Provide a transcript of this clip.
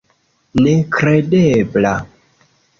Nekredebla!